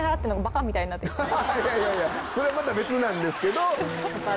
いやいやそれはまた別なんですけど。